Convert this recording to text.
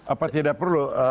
apa tidak perlu